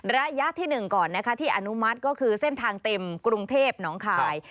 ระยะที่๑ก่อนนะคะที่อนุมัติก็คือเส้นทางเต็มกรุงเทพหนองคาย